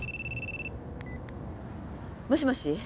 もしもし？